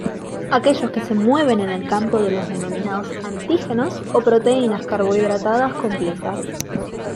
Aquellos que se mueven en el campo de los denominados antígenos, o proteínas-carbohidratadas complejas.